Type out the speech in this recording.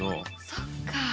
そっか。